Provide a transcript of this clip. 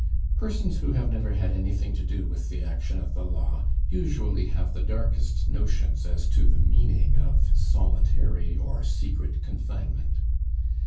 Persons who have never had anything to do with the action of the law usually have the darkest notions as to the meaning of solitary or secret confinement.